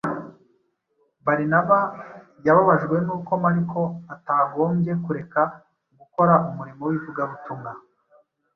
Barinaba yababajwe n’uko Mariko atagombye kureka gukora umurimo w’ivugabutumwa